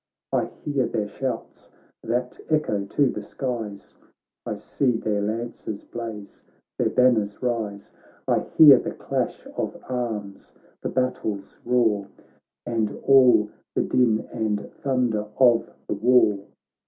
I hear their shouts that echo to the skies, I see their lances blaze, their banners rise, I hear the clash of arms, the battle's roar, And all the din and thunder of the war